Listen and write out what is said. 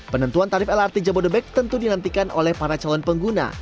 penentuan tarif lrt jabodebek tentu dinantikan oleh para calon pengguna